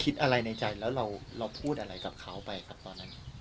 คิดอะไรในใจนะคะแล้วพูดอะไรกับเขาไปตอนนั้น